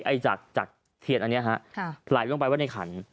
ไอจัดจัดเทียนอันเนี้ยฮะค่ะไหลลงไปไว้ในขัน